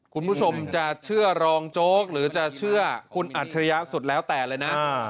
คุณผู้ชมจะเชื่อรองโจ๊กหรือจะเชื่อคุณอัจฉริยะสุดแล้วแต่เลยนะ